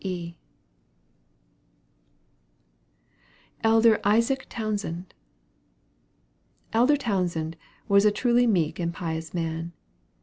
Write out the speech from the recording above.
E. ELDER ISAAC TOWNSEND. Elder Townsend was a truly meek and pious man.